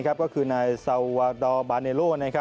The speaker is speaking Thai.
ก็คือนายซาวาดอร์บาเนโล